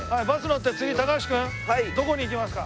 次高橋君どこに行きますか？